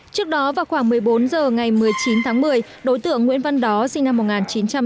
trước đó vào khoảng một mươi bốn h ngày một mươi chín tháng một mươi đối tượng nguyễn văn đó sinh năm một nghìn chín trăm tám mươi